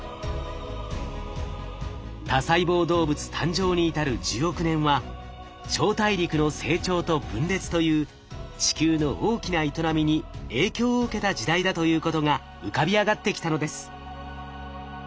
多細胞動物誕生に至る１０億年は超大陸の成長と分裂という地球の大きな営みに影響を受けた時代だということが浮かび上がってきたのです。